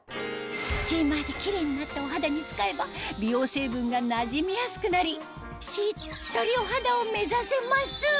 スチーマーでキレイになったお肌に使えば美容成分がなじみやすくなりしっとりお肌を目指せます